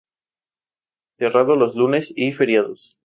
Cerrado los lunes y feriados.